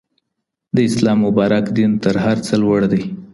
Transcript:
د اسلام مبارک دين تر هر څه لوړ دی.